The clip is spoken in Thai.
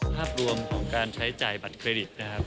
ภาพรวมของการใช้จ่ายบัตรเครดิตนะครับ